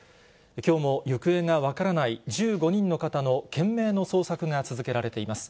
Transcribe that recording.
きょうも行方が分からない１５人の方の懸命の捜索が続けられています。